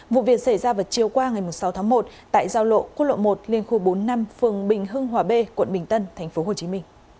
vụ việc xảy ra vào chiều qua ngày sáu tháng một tại giao lộ quốc lộ một liên khu bốn năm phường bình hưng hòa b quận bình tân tp hcm